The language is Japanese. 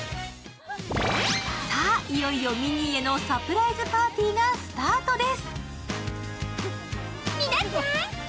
さあ、いよいよミニーへのサプライズパーティーがスタートです。